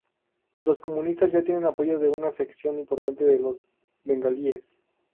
Los comunistas ya tenían apoyo de una sección importante de los bengalíes.